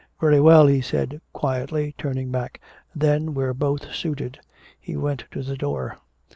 "Very well," he said quietly, turning back. "Then we're both suited." He went to the door.